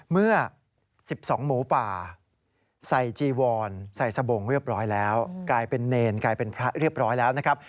เมื่อ๑๒หมูป่าใส่จีวอนใส่สบงเรียบร้อยแล้วกลายเป็นเนรกลายเป็นพระเรียบร้อยแล้วนะครับ